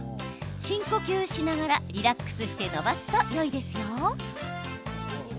深呼吸しながらリラックスして伸ばすといいですよ。